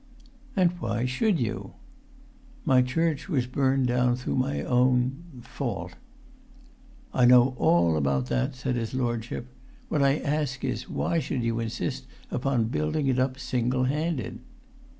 "And why should you?" "My church was burnt down through my own—fault." "I know all about that," said his lordship. "What I ask is, why should you insist upon building it up single handed?"